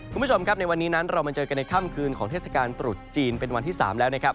คุณผู้ชมครับในวันนี้นั้นเรามาเจอกันในค่ำคืนของเทศกาลตรุษจีนเป็นวันที่๓แล้วนะครับ